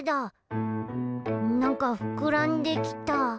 なんかふくらんできた。